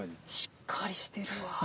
しっかりしてるわ。